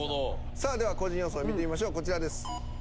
さあでは個人予想見てみましょうこちらです。